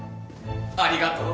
ありがとう。